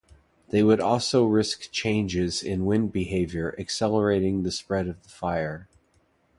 They would also risk changes in wind behaviour accelerating the spread of the fire.